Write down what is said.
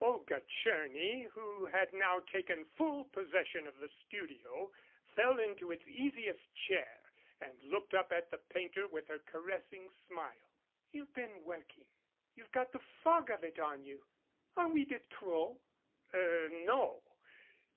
Olga Tcherny, who had now taken full possession of the studio, fell into its easiest chair and looked up at the painter with her caressing smile. "You've been working. You've got the fog of it on you. Are we de trop?" "Er no.